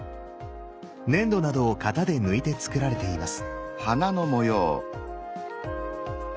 粘土などを型で抜いて作られています。